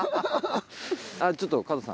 ちょっと加藤さん。